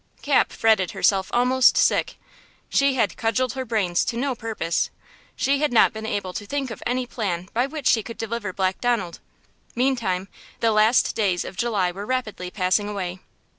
Cap fretted herself almost sick. She had cudgeled her brains to no purpose. She had not been able to think of any plan by which she could deliver Black Donald. Meantime the last days of July were rapidly passing away.